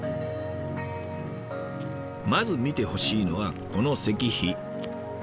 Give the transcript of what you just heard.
まず見てほしいのはこの石碑。